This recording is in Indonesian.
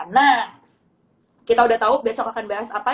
nah kita udah tahu besok akan bahas apa